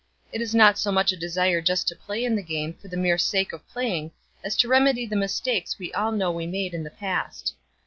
It is not so much a desire just to play in the game for the mere sake of playing as to remedy the mistakes we all know we made in the past.